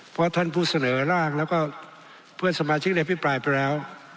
เพราะท่านผู้เสนอร่างแล้วก็เพื่อนสมาชิกได้อภิปรายไปแล้ว